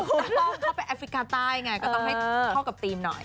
ถูกต้องเข้าไปแอฟริกาใต้ไงก็ต้องให้เข้ากับทีมหน่อย